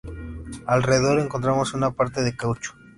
Alrededor, encontramos una parte de caucho.